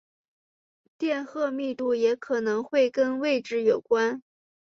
电荷密度也可能会跟位置有关。